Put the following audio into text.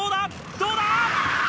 どうだ？